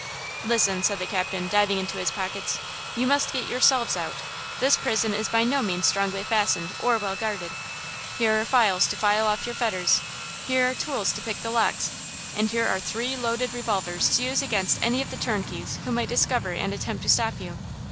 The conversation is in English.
"Listen!" said the captain, diving into his pockets, "you must get yourselves out! This prison is by no means strongly fastened or well guarded! Here are files to file off your fetters! Here are tools to pick the locks, and here are three loaded revolvers to use against any of the turnkeys who might discover and attempt to stop you!